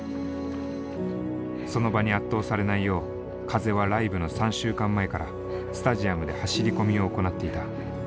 その場に圧倒されないよう風はライブの３週間前からスタジアムで走り込みを行っていた。